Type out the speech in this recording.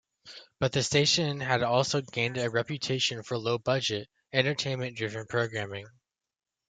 But the station had also gained a reputation for low budget, entertainment-driven programming.